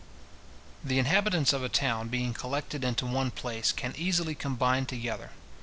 The inhabitants of a town being collected into one place, can easily combine together.